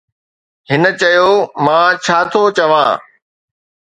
هن چيو: مان ڇا ٿو چوان؟